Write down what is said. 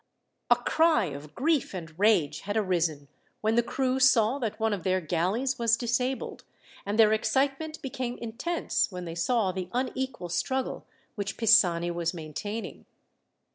A cry of grief and rage had arisen when the crew saw that one of their galleys was disabled, and their excitement became intense when they saw the unequal struggle which Pisani was maintaining.